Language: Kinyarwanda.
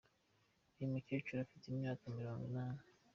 Uyu mukecuru afite imyaka mirongo inani.